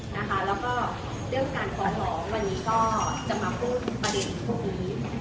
แล้วก็เรื่องการขอร้องวันนี้ก็จะมาพูดประเด็นพวกนี้